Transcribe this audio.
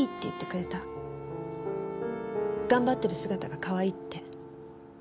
頑張ってる姿がかわいいって。